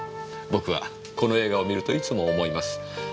僕はこの映画を観るといつも思います。